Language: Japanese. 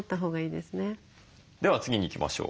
では次に行きましょう。